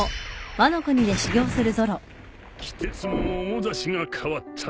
鬼徹も面ざしが変わった。